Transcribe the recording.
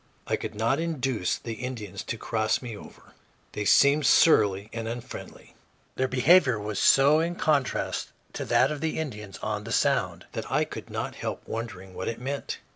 I could not induce the Indians to cross me over; they seemed surly and unfriendly. Their behavior was so in contrast to that of the Indians on the Sound that I could not help wondering what it meant.